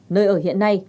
nơi ở hiện nay